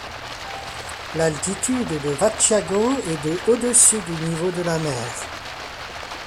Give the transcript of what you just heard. L'altitude de Vacciago est de au-dessus du niveau de la mer.